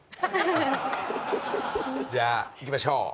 じゃあいきましょう